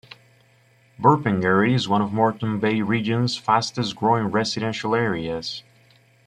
Burpengary is one of Moreton Bay region's fastest growing residential areas.